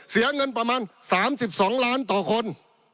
เสียเงินประมาณ๓๒ล้านต่อคน